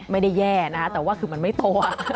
ไม่ได้แย่นะคะแต่ว่าคือมันไม่โต